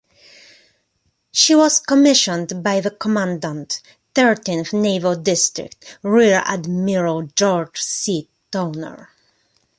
She was commissioned by the Commandant, Thirteenth Naval District, Rear Admiral George C. Towner.